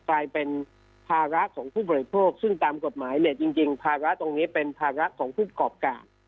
กลายเป็นภาระของผู้บริโภคซึ่งตามกฎหมายเนี่ยจริงภาระตรงนี้เป็นภาระของผู้กรอบการ